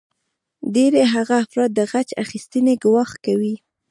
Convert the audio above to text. ډیری هغه افراد د غچ اخیستنې ګواښ کوي